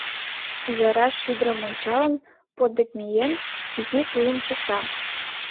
Ӱжара шӱдырым ончалын, под дек миен, изи тулым чӱкта.